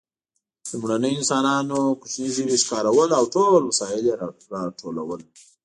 لومړنیو انسانانو کوچني ژوي ښکارول او ټول وسایل یې راټولول.